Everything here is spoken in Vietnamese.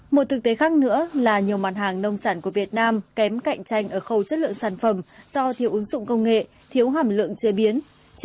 một thực tế khác nữa là nhiều mặt hàng nông sản của việt nam kém cạnh tranh ở khâu chất lượng sản phẩm do thiếu ứng dụng công nghệ thiếu hàm lượng chế biến